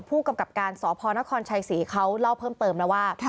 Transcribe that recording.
ผู้กำกับการสพนครชัยศรีเขาเล่าเพิ่มเติมนะว่า